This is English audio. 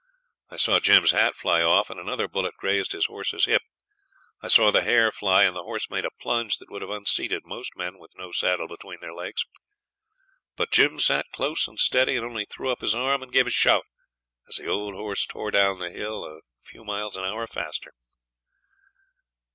I saw Jim's hat fly off, and another bullet grazed his horse's hip. I saw the hair fly, and the horse make a plunge that would have unseated most men with no saddle between their legs. But Jim sat close and steady and only threw up his arm and gave a shout as the old horse tore down the hill a few miles an hour faster.